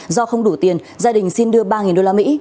do không đủ tiền gia đình xin đưa ba usd